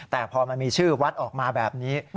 แต่พอมันมีชื่อวัดออกมาแบบนี้